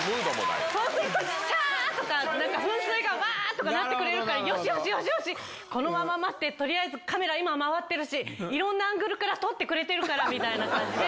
きゃーとか、噴水がばーっとかなってくれるから、よしよしよしよし、このまま待って、とりあえず今、カメラ回ってるし、いろんなアングルから撮ってくれてるからみたいな感じで。